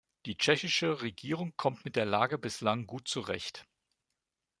Die tschechische Regierung kommt mit der Lage bislang gut zurecht.